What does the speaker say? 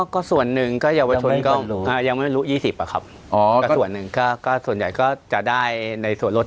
ก็ส่วนหนึ่งก็เยาวชนก็ยังไม่รู้๒๐อะครับอ๋อก็ส่วนหนึ่งก็ส่วนใหญ่ก็จะได้ในส่วนลด